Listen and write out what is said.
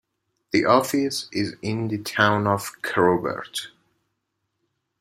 The office is in the town of Kerrobert.